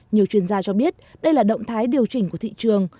nhiều chuyên gia cho biết đây là động thái điều chỉnh của thị trường